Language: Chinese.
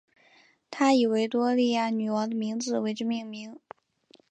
他以维多利亚女王的名字为之命名。